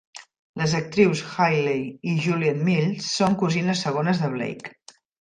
Les actrius Hayley i Juliet Mills són cosines segones de Blake.